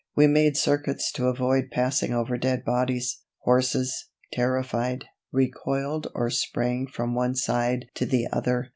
We made circuits to avoid passing over dead bodies; horses, terrified, recoiled or sprang from one side to the other.